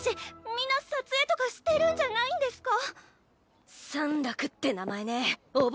みんな撮影とかしてるんじゃないんですか？